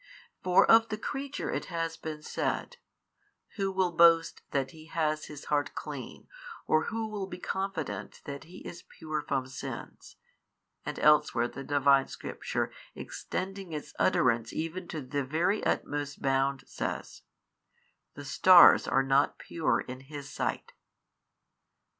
For of the creature it has been said, Who will boast that he has his heart clean, or who will be confident that |619 he is pure from sins, and elsewhere the Divine Scripture extending its utterance even to the very utmost bound says, The stars are not pure in His Sight.